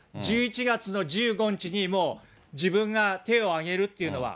１１月の１５日に、もう自分が手を挙げるというのは。